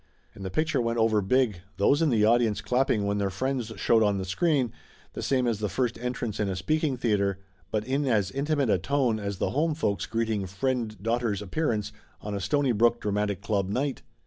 And the picture went over big, those in the audience clapping when their friends showed on the screen, the same as the first entrance in a speaking theater, but in as intimate a tone as the home folks greeting friend daughter's appearance on a Stony brook Dramatic Club night.